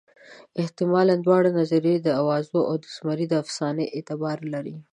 حتمالاً دواړه نظریې د اوازو او د زمري د افسانې اعتبار لري.